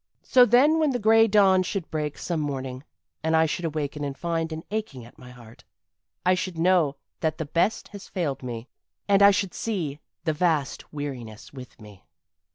So then when the gray dawn should break some morning and I should awaken and find an aching at my heart, I should know that the best had failed me, and I should see the Vast Weariness with me.